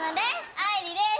あいりです！